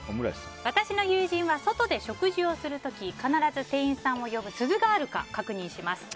私の友人は外で食事をする時必ず店員さんを呼ぶ鈴があるか確認します。